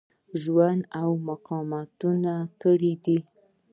ژوند او مقاومتونه کړي دي.